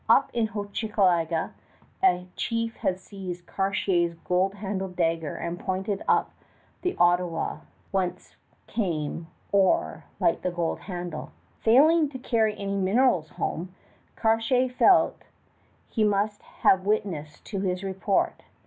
Up at Hochelaga a chief had seized Cartier's gold handled dagger and pointed up the Ottawa whence came ore like the gold handle. Failing to carry any minerals home, Cartier felt he must have witnesses to his report.